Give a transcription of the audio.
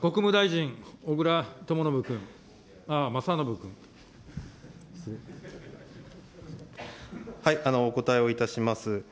国務大臣、小倉とものぶ君、お答えをいたします。